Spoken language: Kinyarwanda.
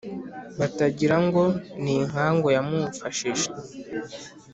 batagira ngo ni inkangu yamumfashije.